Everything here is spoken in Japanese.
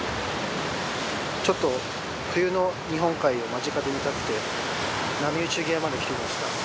ちょっと冬の日本海を間近で見たくて波打ち際まで来てみました。